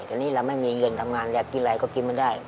ตอนนี้เราไม่มีเงินทำงานอยากกินอะไรก็กินไม่ได้